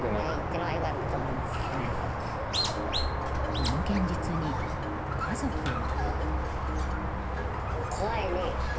この現実に、家族は。